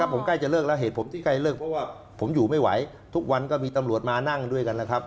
เพราะว่าผมอยู่ไม่ไหวทุกวันก็มีตำรวจมานั่งด้วยกันล่ะครับ